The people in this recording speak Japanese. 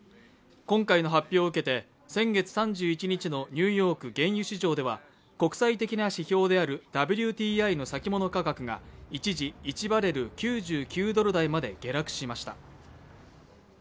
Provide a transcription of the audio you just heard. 今回の発表を受けて先月３１日のニューヨーク原油市場では国際的な指標であるＷＴＩの先物価格が一時１バレル＝９９ドル台まで下落しました。